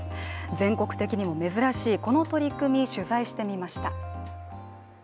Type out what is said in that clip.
全国的にも珍しいこの取り組み、取材してみました。